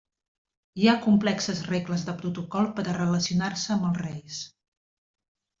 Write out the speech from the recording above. Hi ha complexes regles de protocol per a relacionar-se amb els reis.